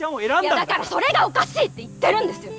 だからそれがおかしいって言ってるんです！